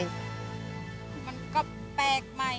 มันก็แปลกใหม่